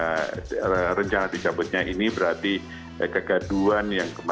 musimnya kemudian yang kedua dengan rencana dicabutnya ini berarti kegaduan yang kemarin sempat